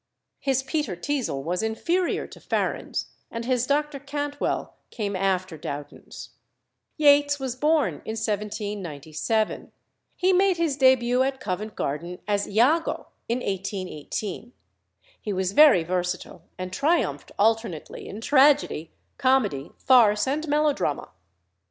His Peter Teazle was inferior to Farren's, and his Dr. Cantwell came after Dowton's. Yates was born in 1797. He made his début at Covent Garden as Iago in 1818. He was very versatile, and triumphed alternately in tragedy, comedy, farce, and melodrama.